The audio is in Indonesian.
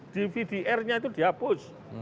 dprnya itu dihapus